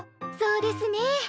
そうですね。